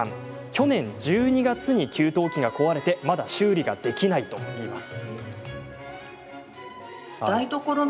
去年１２月に給湯器が壊れてまだ修理ができないといいます。